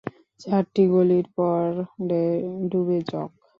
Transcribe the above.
চারটি গলির পরে ডুবে চক।